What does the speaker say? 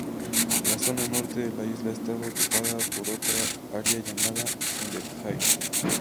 La zona norte de la isla está ocupada por otra área llamada Underhill.